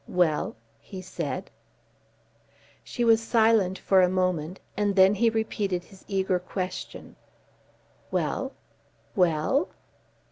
"Well?" he said. She was silent for a moment, and then he repeated his eager question: "Well; well?"